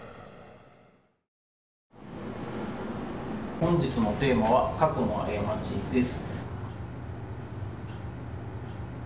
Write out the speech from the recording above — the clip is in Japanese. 本日のテーマは「過去のあやまち」です。